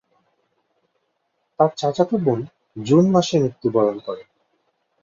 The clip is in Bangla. তার চাচাতো বোন জুন মাসে মৃত্যুবরণ করে।